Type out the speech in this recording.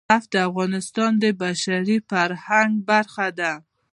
نفت د افغانستان د بشري فرهنګ برخه ده.